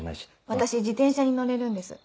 私自転車に乗れるんです。